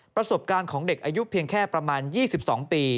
ประสบการณ์ของเด็กอายุเพียงแค่ประมาณ๒๒ปี